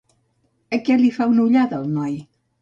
A què li fa una ullada el noi?